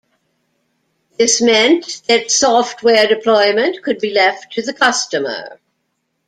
This meant that software deployment could be left to the customer.